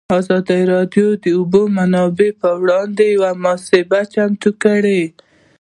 ازادي راډیو د د اوبو منابع پر وړاندې یوه مباحثه چمتو کړې.